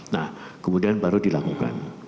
nah kemudian baru dilakukan